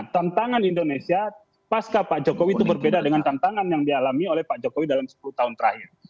tantangan indonesia pasca pak jokowi itu berbeda dengan tantangan yang dialami oleh pak jokowi dalam sepuluh tahun terakhir